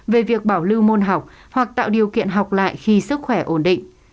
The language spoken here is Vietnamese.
về việc bảo lưu môn học hoặc tạo điều kiện học lại khi sức khỏe ổn định